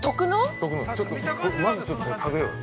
まずちょっとこれ食べようよ。